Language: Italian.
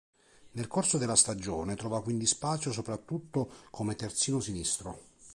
Nel corso della stagione trova quindi spazio soprattutto come terzino sinistro.